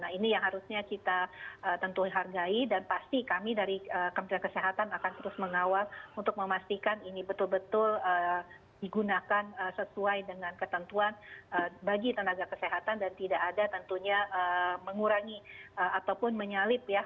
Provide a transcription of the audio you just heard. nah ini yang harusnya kita tentu hargai dan pasti kami dari kementerian kesehatan akan terus mengawal untuk memastikan ini betul betul digunakan sesuai dengan ketentuan bagi tenaga kesehatan dan tidak ada tentunya mengurangi ataupun menyalip ya